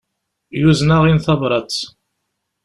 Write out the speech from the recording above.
Yuzen-aɣ-n tabrat.